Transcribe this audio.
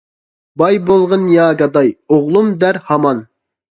باي بولغىن يا گاداي، ئوغلۇم دەر ھامان.